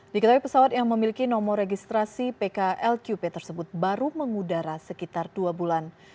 diketahui pesawat yang memiliki nomor registrasi pklqp tersebut baru mengudara sekitar dua bulan